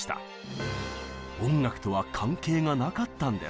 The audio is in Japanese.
音楽とは関係がなかったんです。